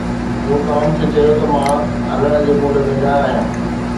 مون ٽام کي چيو ته مان هلڻ جي موڊ ۾ نه آهيان